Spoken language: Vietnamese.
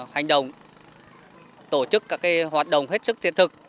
hành động tổ chức các hoạt động hết sức thiết thực